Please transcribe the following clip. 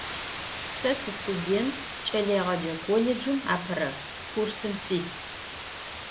Se sıstudênt, ç'eleêğece kollêcım apere kursım sis.